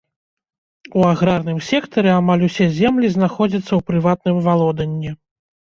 У аграрным сектары амаль усе землі знаходзяцца ў прыватным валоданні.